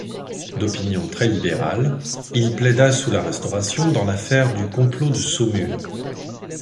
D'opinions très libérales, il plaida, sous la Restauration, dans l'affaire du complot de Saumur.